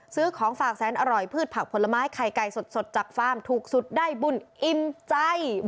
ซื้อของฝากแสนอร่อยพืชผักผลไม้ไข่ไก่สดจากฟาร์มถูกสุดได้บุญอิ่มใจ